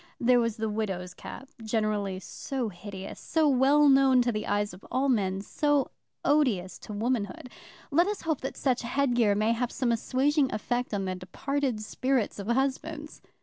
There was the widow's cap, generally so hideous, so well known to the eyes of all men, so odious to womanhood. Let us hope that such headgear may have some assuaging effect on the departed spirits of husbands.